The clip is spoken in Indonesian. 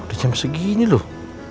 udah jam segini loh